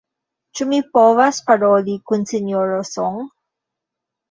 Ĉu mi povas paroli kun Sinjoro Song?